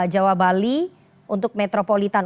jawa bali untuk metropolitan